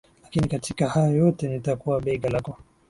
Lakini katika hayo yote, nitakuwa bega lako.